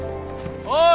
おい！